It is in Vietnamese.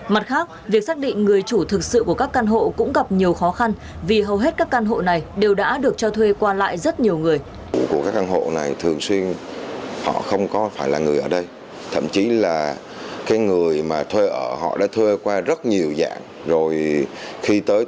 mặt khác việc xác định người chủ thực sự của các căn hộ cũng gặp nhiều khó khăn vì hầu hết các căn hộ này đều đã được cho thuê qua lại rất nhiều người